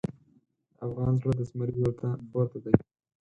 د افغان زړه د زمري زړه ته ورته دی.